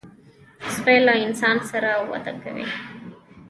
سپي له انسان سره وده کوي.